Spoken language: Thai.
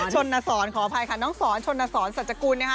ชนสอนขออภัยค่ะน้องสอนชนสอนสัจกุลนะคะ